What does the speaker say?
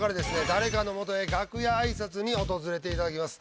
誰かの元へ楽屋挨拶に訪れていただきます。